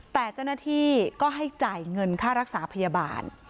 แต่เจ้าหน้าที่ก็ให้จ่ายเงินค่ารักษาพยาบาล